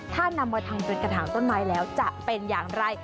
ถ้านำมาทำเป็นกระถางต้นไม้แล้วจะเป็นอย่างไร